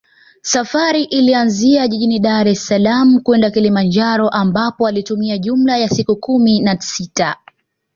Safari ilianzia jijini Daressalaam kwenda Kilimanjaro ambapo walitumia jumla ya siku kumi na sita